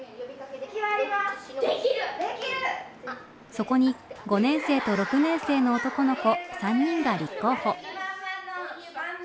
そこに５年生と６年生の男の子３人が立候補。